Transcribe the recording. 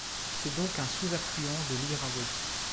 C'est donc un sous-affluent de l'Irrawaddy.